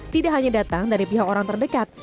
tidak hanya datang dari pihak orang terdekat